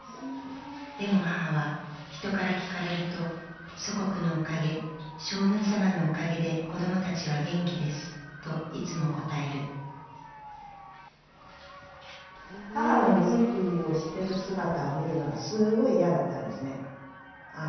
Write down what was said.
でも母は人から聞かれると「祖国のおかげ将軍様のおかげで子供たちは元気です」といつも答える母が荷造りをしてる姿を見るのがすごい嫌だったんですね。